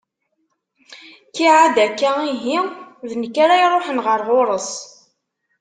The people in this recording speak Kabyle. Kiɛad akka ihi, d nekk ara iruḥen ɣer ɣur-s.